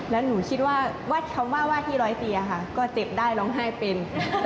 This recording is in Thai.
แล้วหนูคิดว่าคำว่าว่าที่ร้อยเตียค่ะก็เจ็บได้ร้องไห้เป็น